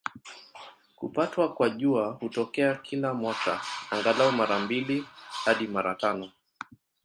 Kupatwa kwa Jua hutokea kila mwaka, angalau mara mbili hadi mara tano.